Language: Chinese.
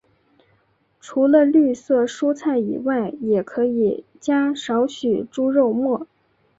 除了绿色蔬菜以外也可以加少许猪肉末。